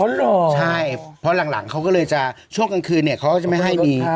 ใช่เพราะหลังเขาก็เลยจะช่วงกลางคืนเนี่ยเขาก็จะไม่ให้มี